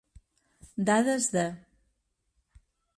Dades de.